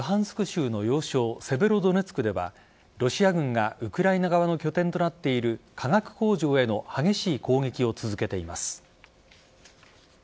州の要衝セベロドネツクではロシア軍がウクライナ側の拠点となっている化学工場への激しい攻撃を続けています。